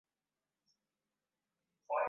mifumo ya utekelezaji ipo na inategemezwa vizuri